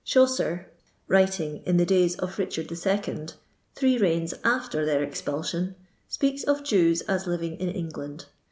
Chaucer, writing in the days of Bichard II., three reigns after their expulsion, speaks of Jewa as living in Enghind.